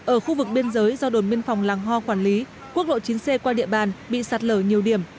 ở khu vực biên giới do đồn biên phòng làng hoa quản lý quốc lộ chín c qua địa bàn bị sạt lở nhiều điểm